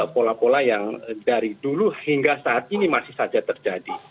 pola pola yang dari dulu hingga saat ini masih saja terjadi